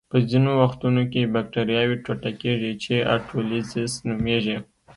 په ځینو وختونو کې بکټریاوې ټوټه کیږي چې اټولیزس نومېږي.